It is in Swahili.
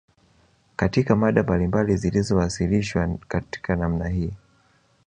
Katika mada mbalimbali zilizowasilishwa katika namna hii